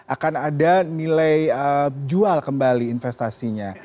akan ada nilai jual kembali investasinya